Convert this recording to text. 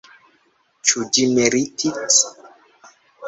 Ĉu ĝi meritits?